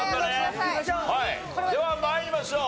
では参りましょう。